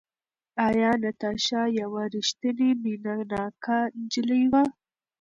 ایا ناتاشا یوه ریښتینې مینه ناکه نجلۍ وه؟